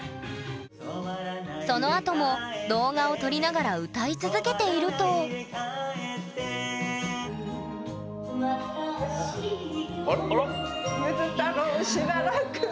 そのあとも動画を撮りながら歌い続けているとあらっ。